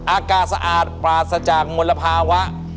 อากาศสะอาดปราศจากมลภาวะ